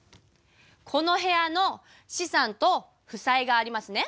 この部屋の資産と負債がありますね。